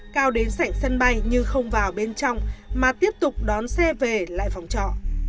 cao đến sảnh sân bay nhưng không vào bên trong mà tiếp tục đón xe về lại phòng trọ